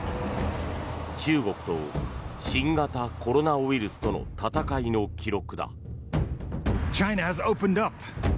中国と新型コロナウイルスとの闘いの記録だ。